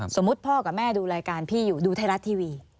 สมมุติพ่อกับแม่ดูรายการพี่อยู่ดูไทยรัฐทีวี